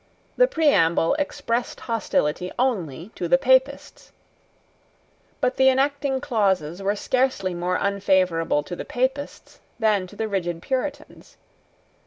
The preamble expressed hostility only to the Papists: but the enacting clauses were scarcely more unfavourable to the Papists than to the rigid Puritans.